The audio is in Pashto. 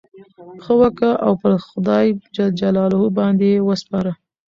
ښه وکه! او پر خدای جل جلاله باندي ئې وسپاره.